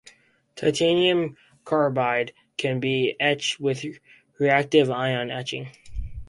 Titanium carbide can be etched with reactive-ion etching.